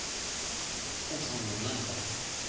奥さん何か？